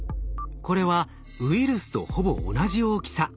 これはウイルスとほぼ同じ大きさ。